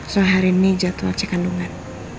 soalnya hari ini jadwal cek kandungan